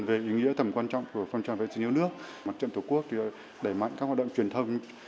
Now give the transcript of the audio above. về ý nghĩa thẩm quan trọng của phong trào vệ sinh nước nước mặt trận tổ quốc đẩy mạnh các hoạt động truyền thông